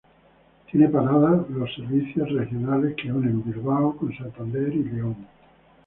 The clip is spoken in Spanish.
Tienen parada los servicios regionales que unen Bilbao con Santander y León.